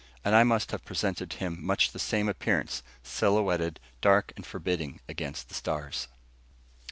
And I must have presented to him much the same appearance, silhouetted dark and forbidding against the stars.